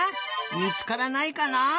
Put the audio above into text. みつからないかな？